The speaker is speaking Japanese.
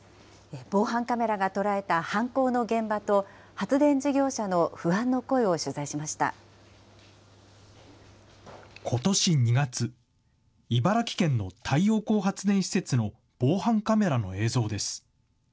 防犯カメラが捉えた犯行の現場と、発電事業者の不安の声を取ことし２月、茨城県の太陽光発電施設の防犯カメラの映像です。